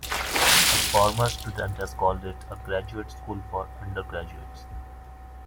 A former student has called it a "graduate school for undergraduates".